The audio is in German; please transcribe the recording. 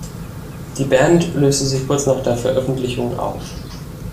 Die Band löste sich kurz nach der Veröffentlichung auf.